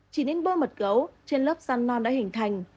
chỉ nên bơ mật gấu trên lớp săn non đã hình thành